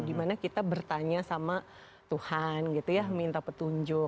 dimana kita bertanya sama tuhan gitu ya minta petunjuk